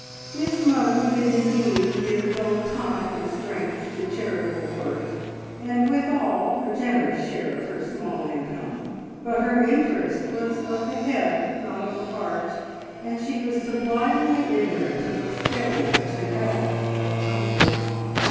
Miss Munns did indeed give both time and strength to charitable work, and withal a generous share of her small income, but her interest was of the head, not of the heart, and she was sublimely ignorant of her failure to help or comfort.